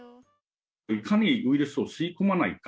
いかにウイルスを吸い込まないか。